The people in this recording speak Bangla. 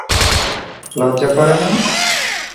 লজ্জা করে না?